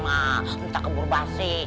minta kebur basing